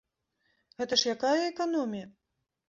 Гэта ж якая эканомія!